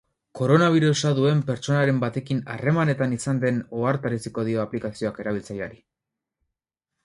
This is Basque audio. Koronabirusa duen pertsonaren batekin harremanetan izan den ohartaraziko dio aplikazioak erabiltzaileari.